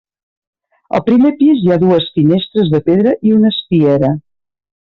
Al primer pis hi ha dues finestres de pedra i una espiera.